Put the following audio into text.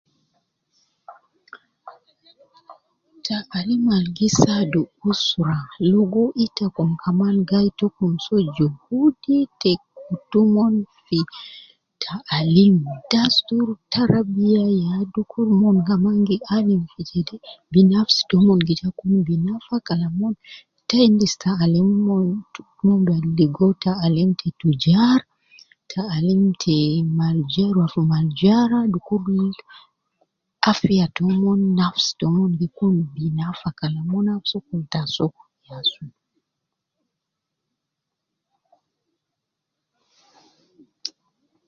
Ta alim al gi saadu usra logo itakum kaman gai takum soo juhudi te kutu mon fi ta alim, dastur tarabiya ya dukur mon kaman gi alim fi jede fi nafsi tomon bi ja kun bi nafa Kalam kaman te endis te alim omon ,mon bi ligo taalim te tujar, taalim te malja rua fi maljara dukur afiya tomon nafsi tomon gi kun binafa Kalam mon amsuku ta soo ya sunu